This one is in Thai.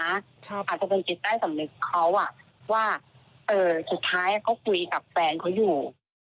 อาจจะเป็นจิตใต้สำนึกเขาว่าสุดท้ายเขาคุยกับแฟนเขาอยู่